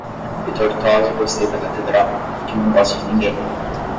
De Tortosa gostei da catedral, que não gosta de ninguém!